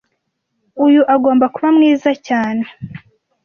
Uyu agomba kuba mwiza cyane